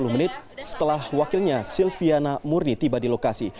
sepuluh menit setelah wakilnya silviana murni tiba di lokasi